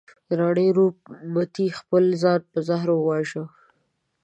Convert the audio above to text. راني روپ متي خپل ځان په زهر وواژه.